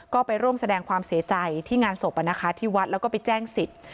ก็ไปร่วมแสดงความเสียใจที่งานศพที่วัดแล้วก็ไปแจ้งสิทธิ์